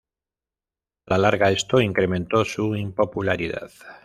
A la larga, esto incrementó su impopularidad.